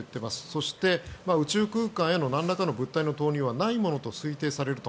そして宇宙空間へのなんらかの物体の投入はないものと推定されると。